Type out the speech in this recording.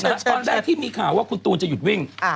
เราขอเริ่มก่อนที่มีข่าวว่าคุณตูลจะหยุดวิ่ง